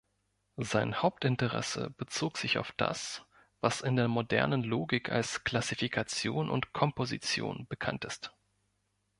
Sein Hauptinteresse bezog sich auf das, was in der modernen Logik als Klassifikation und Komposition bekannt ist.